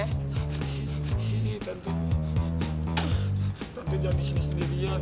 tante tante jangan di sini sendirian